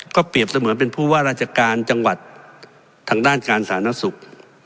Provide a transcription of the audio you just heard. เปรียบเสมือนเป็นผู้ว่าราชการจังหวัดทางด้านการสาธารณสุข